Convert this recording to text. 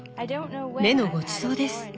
目のごちそうです。